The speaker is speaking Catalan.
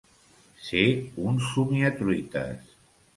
Ser un somiatruites.